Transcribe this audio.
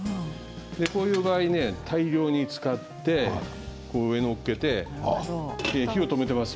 こういう場合、大量に使って上に載っけて火を止めています。